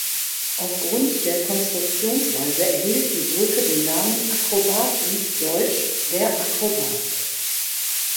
Aufgrund der Konstruktionsweise erhielt die Brücke den Namen „Akrobaten“ (deutsch "der Akrobat").